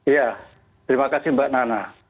ya terima kasih mbak nana